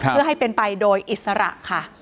เพื่อให้เป็นไปโดยอิสระค่ะ